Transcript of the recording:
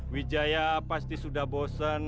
wijaya pasti sudah bosan dengan kau